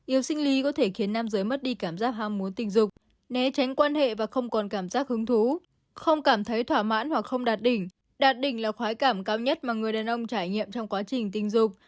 yêu sinh lý có thể khiến nam giới mất đi cảm giác ham muốn tình dục né tránh quan hệ và không còn cảm giác hứng thú không cảm thấy thỏa mãn hoặc không đạt đỉnh đạt đỉnh là khóa cảm cao nhất mà người đàn ông trải nghiệm trong quá trình tình dục